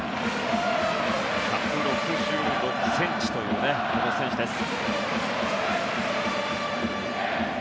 １６６ｃｍという選手です。